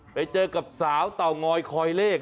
ไปเจอกับสาวเตางอยคอยเลข